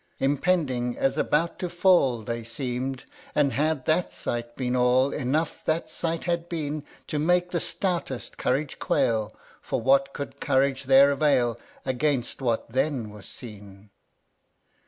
14. Impending as about to fall They seem'd ; and, had tliat sight been all, Enough that sight had been To make the stoutest courage quail ; For what could courage there avail Against what then was seen